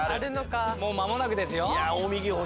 もう間もなくですよ。